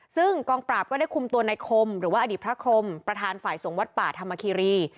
ซึ่งกองปราบก็ได้คุมตัวในคมหรือว่าอดีตพระคมประธานฝ่ายส่งวัดป่าธรรมคีรี